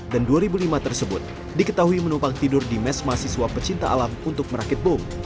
dan dua ribu lima tersebut diketahui menumpang tidur di mes mahasiswa pecinta alam untuk merakit bom